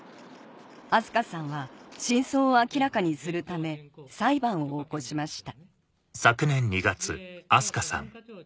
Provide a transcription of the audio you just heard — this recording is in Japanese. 明日香さんは真相を明らかにするため裁判を起こしました